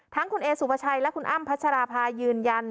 ทั้งคุณเอสุปชัยและคุณอ้ำพัชราภายืนยัน